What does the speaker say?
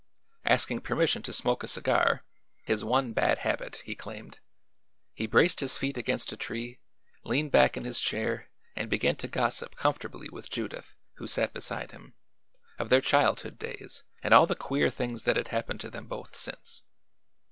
Asking permission to smoke a cigar his one bad habit, he claimed he braced his feet against a tree, leaned back in his chair and began to gossip comfortably with Judith, who sat beside him, of their childhood days and all the queer things that had happened to them both since.